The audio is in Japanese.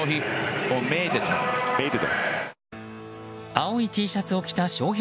青いＴシャツを着た翔平